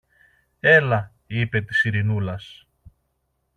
Έλα, είπε της Ειρηνούλας.